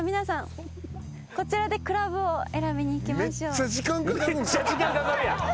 めっちゃ時間かかるやん。